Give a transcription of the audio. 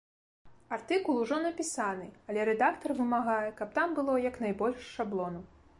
Артыкул ужо напісаны, але рэдактар вымагае, каб там было як найбольш шаблону.